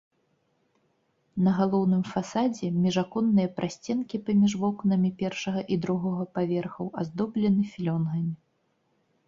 На галоўным фасадзе міжаконныя прасценкі паміж вокнамі першага і другога паверхаў аздоблены філёнгамі.